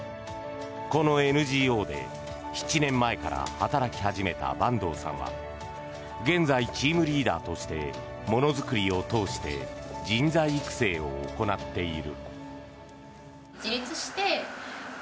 このＮＧＯで７年前から働き始めた板東さんは現在、チームリーダーとしてものづくりを通して人材育成を行っている。